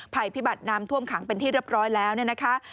ภัยพิบัติน้ำท่วมขังเป็นที่เรียบร้อยแล้วเนี่ยนะคะ